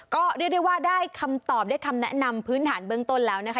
ก็เรียกได้ว่าได้คำตอบได้คำแนะนำพื้นฐานเบื้องต้นแล้วนะคะ